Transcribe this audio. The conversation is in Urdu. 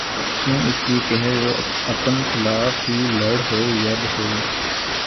کیوں اس لیے کہہ وہ اپن کیخلاف ہی لڑ ہوئے ید ہوئے